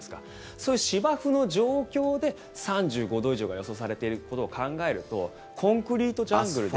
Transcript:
そういう芝生の状況で３５度以上が予想されていることを考えるとコンクリートジャングルで。